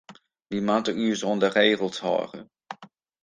Wy moatte ús oan de regels hâlde.